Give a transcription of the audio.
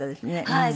はい。